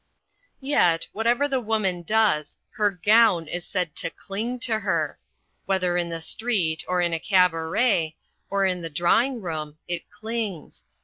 Yet, whatever The Woman does, her "gown" is said to "cling" to her. Whether in the street or in a cabaret or in the drawing room, it "clings."